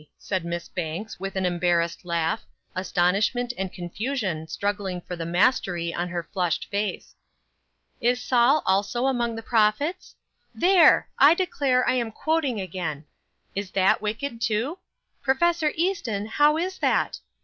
said Miss Banks, with an embarrassed laugh, astonishment and confusion struggling for the mastery on her flushed face. "'Is Saul also among the prophets?' There! I declare, I am quoting again. Is that wicked, too? Prof. Easton, how is that?